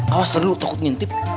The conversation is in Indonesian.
awas terlalu takut nyintip